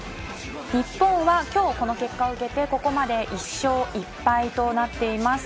日本は今日、この結果を受けてここまで１勝１敗となっています。